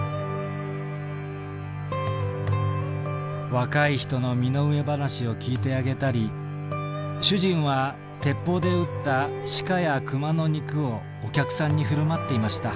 「若い人の身の上話を聞いてあげたり主人は鉄砲で撃った鹿や熊の肉をお客さんにふるまっていました」。